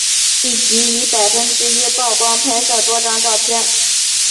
他立即以百分之一秒曝光拍摄多张照片。